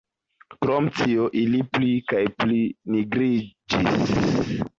Krom tio, ili pli kaj pli nigriĝis.